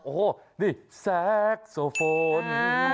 โอ้โหนี่แซกโซโฟน